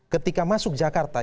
ketika masuk jakarta